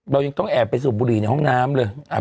เรายังต้องแอบไปสูบบุหรี่ในห้องน้ำเลย